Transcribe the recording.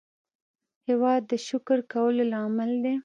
هېواد د شکر کولو لامل دی.